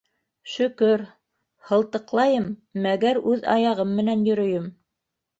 Шөкөр... һылтыҡлайым, мәгәр үҙ аяғым менән йөрөйөм.